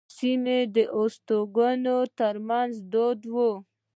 دا د سیمې د استوګنو ترمنځ دود وو.